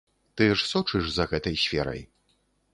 Ты ж сочыш за гэтай сферай?